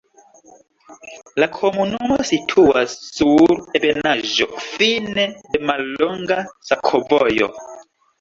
La komunumo situas sur ebenaĵo, fine de mallonga sakovojo.